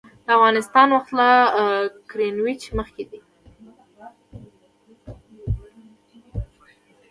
د افغانستان وخت له ګرینویچ مخکې دی